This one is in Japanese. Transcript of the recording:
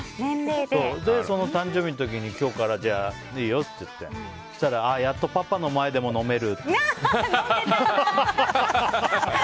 その誕生日の時に今日から、いいよって言ってそしたらやっとパパの前でも飲めるって。